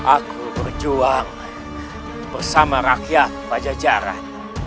aku berjuang bersama rakyat pada jalan